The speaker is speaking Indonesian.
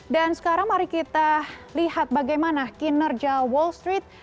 sekarang mari kita lihat bagaimana kinerja wall street